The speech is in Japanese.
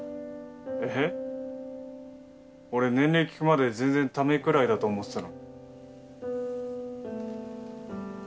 えっ俺年齢聞くまで全然タメくらいだと思ってたのに。